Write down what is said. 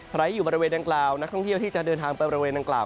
ใครอยู่บริเวณดังกล่าวนักท่องเที่ยวที่จะเดินทางไปบริเวณนางกล่าว